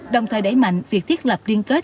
đồng thời đẩy mạnh việc thiết lập liên kết